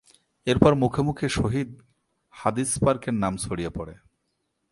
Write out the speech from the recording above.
এরপর মুখে মুখে শহীদ হাদিস পার্কের নাম ছড়িয়ে পড়ে।